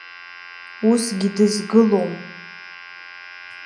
Усгьы дызгылом.